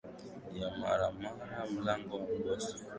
ya Marmara Mlango wa Bosphorus na Dardanelles